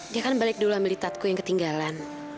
dia kan balik dulu ambil tatku yang ketinggalan